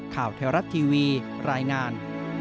แถวรัฐทีวีรายงาน